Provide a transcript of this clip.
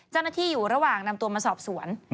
เจ้าหน้าที่อยู่ระหว่างนำตัวมาสอบสวน